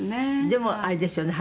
「でもあれですよね」